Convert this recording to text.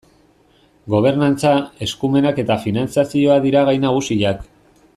Gobernantza, eskumenak eta finantzazioa dira gai nagusiak.